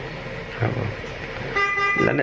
ขอบคุณและ